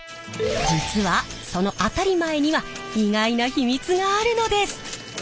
実はその当たり前には意外な秘密があるのです！